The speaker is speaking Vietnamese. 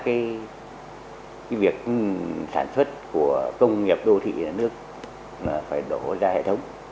các cái việc sản xuất của công nghiệp đô thị là nước phải đổ ra hệ thống